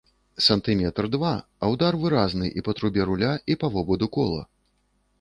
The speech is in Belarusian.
Сантыметр-два, а ўдар выразны і па трубе руля, і па вобаду кола.